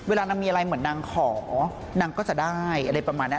เวลานางมีอะไรเหมือนนางขอนางก็จะได้อะไรประมาณนั้น